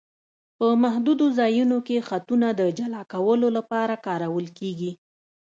په محدودو ځایونو کې خطونه د جلا کولو لپاره کارول کیږي